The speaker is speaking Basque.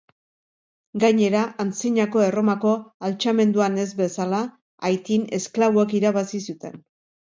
Gainera, Antzinako Erromako altxamenduan ez bezala, Haitin esklaboek irabazi zuten.